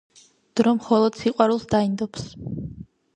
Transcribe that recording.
დრო მხოლოდ სიყვარულს დაინდობს!.